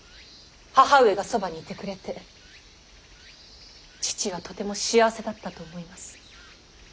義母上がそばにいてくれて父はとても幸せだったと思います。